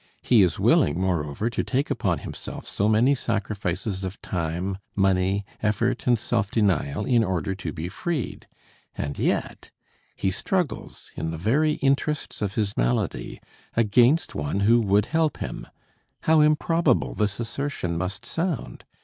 He is willing, moreover, to take upon himself so many sacrifices of time, money, effort and self denial in order to be freed. And yet he struggles, in the very interests of his malady, against one who would help him. How improbable this assertion must sound!